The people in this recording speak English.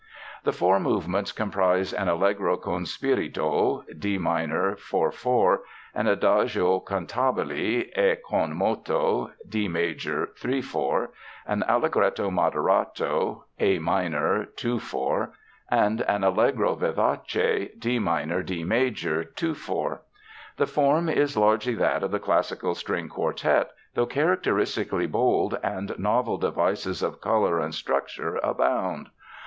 The four movements comprise an Allegro con spirito (D minor, 4 4), an Adagio cantabile e con moto (D major, 3 4), an Allegretto moderato (A minor, 2 4), and an Allegro vivace (D minor D major, 2 4). The form is largely that of the classical string quartet, though characteristically bold and novel devices of color and structure abound.